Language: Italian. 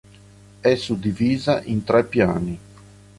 È suddivisa in tre piani.